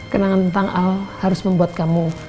kenangan tentang al harus membuat kamu